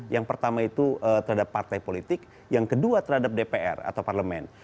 yang pertama itu terhadap partai politik yang kedua terhadap dpr atau parlemen